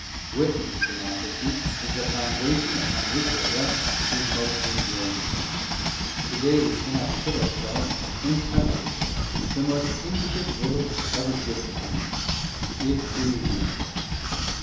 Whitman's democracy is the foundation upon which will rest his most enduring fame. To day we cannot put ourselves in touch with this, the most intricate riddle ever given to man. It eludes us.